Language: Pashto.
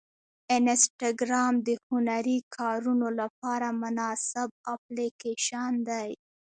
انسټاګرام د هنري کارونو لپاره مناسب اپلیکیشن دی.